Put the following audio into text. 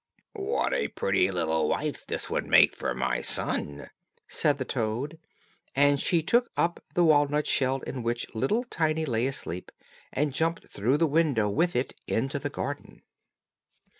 "What a pretty little wife this would make for my son," said the toad, and she took up the walnut shell in which little Tiny lay asleep, and jumped through the window with it into the garden.